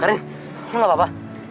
karin kamu gak apa apa